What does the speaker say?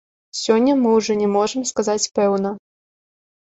Сёння мы ўжо не можам сказаць пэўна.